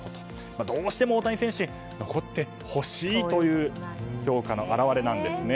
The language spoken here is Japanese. どうしても大谷選手に残ってほしいという評価の表れなんですね。